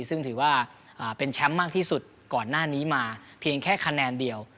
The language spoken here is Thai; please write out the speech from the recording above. ซึ่งถือว่าเป็นแชมป์มากที่สุดก่อนหน้านี้มาเพียงแค่คะแนนเดียว